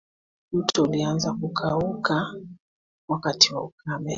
mto ulianza kukauka wakati wa ukame